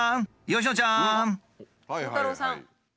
鋼太郎さん。